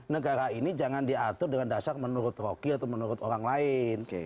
negara ini jangan diatur dengan dasar menurut rocky atau menurut orang lain